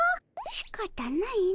しかたないの。